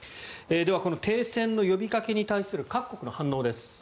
では停戦の呼びかけに対する各国の反応です。